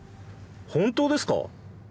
本当ですか？